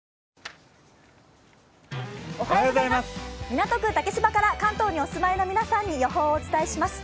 港区竹芝から関東にお住まいの皆さんに予報をお伝えします。